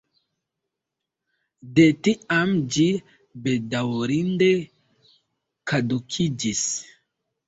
De tiam ĝi bedaŭrinde kadukiĝis.